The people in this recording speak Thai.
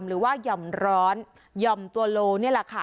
หรือว่าหย่อมร้อนหย่อมตัวโลนี่แหละค่ะ